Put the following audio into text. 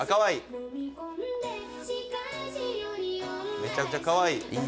めちゃくちゃかわいい。